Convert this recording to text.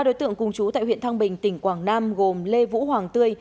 ba đối tượng cùng chú tại huyện thăng bình tỉnh quảng nam gồm lê vũ hoàng tươi